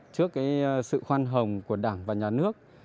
trước sự khoan hồng của đảng và nhà nước